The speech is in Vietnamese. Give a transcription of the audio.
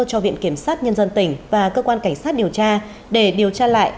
cho viện kiểm sát nhân dân tỉnh và cơ quan cảnh sát điều tra để điều tra lại